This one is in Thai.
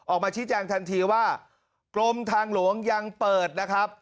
ออกมาชี้แจงทันทีว่ากรมทางหลวงยังเปิดนะครับ